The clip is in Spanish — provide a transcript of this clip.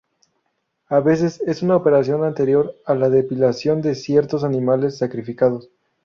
A veces es una operación anterior a la depilación de ciertos animales sacrificados.